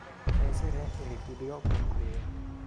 Cesare ripudiò Pompea.